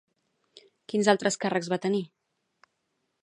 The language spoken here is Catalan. Quins altres càrrecs va tenir?